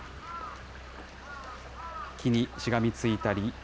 木にしがみついたり。